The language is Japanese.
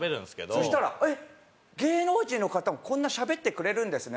そしたら「えっ芸能人の方もこんなしゃべってくれるんですね」。